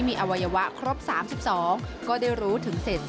แล้วไปอีกหนึ่งกิจกรรมนะคะ